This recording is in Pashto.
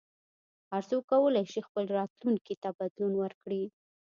هر څوک کولای شي خپل راتلونکي ته بدلون ورکړي.